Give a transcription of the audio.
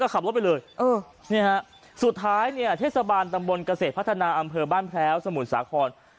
ขับรถไปเลยสุดท้ายเนี่ยเทศบาลตำบลเกษตรพัฒนาอำเภอบ้านแพ้วสมุทรสาคร